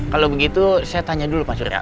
kalo begitu saya tanya dulu pak syuraya